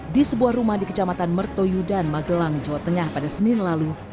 di sebuah rumah di kecamatan mertoyudan magelang jawa tengah pada senin lalu